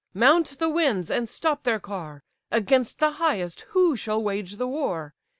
mount the winds, and stop their car; Against the highest who shall wage the war?